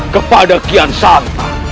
kepada kian santan